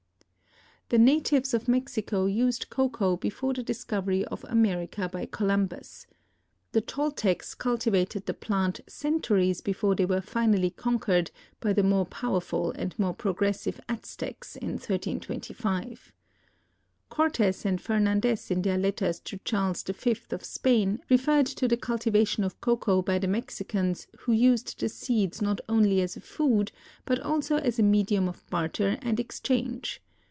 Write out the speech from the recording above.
The natives of Mexico used cocoa before the discovery of America by Columbus. The Toltecs cultivated the plant centuries before they were finally conquered by the more powerful and more progressive Aztecs in 1325. Cortez and Fernandez in their letters to Charles V. of Spain referred to the cultivation of cocoa by the Mexicans who used the seeds not only as a food but also as a medium of barter and exchange.